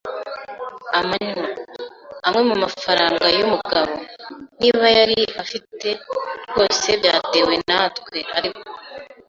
umwanya. Amwe mumafaranga yumugabo - niba yari afite - rwose byatewe natwe, ariko